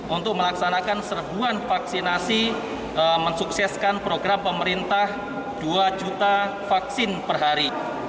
untuk melaksanakan serbuan vaksinasi mensukseskan program pemerintah dua juta vaksin per hari